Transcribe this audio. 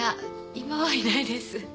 今はいないです。